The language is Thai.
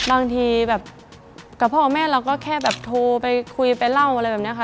บางทีแบบกับพ่อแม่เราก็แค่แบบโทรไปคุยไปเล่าอะไรแบบนี้ค่ะ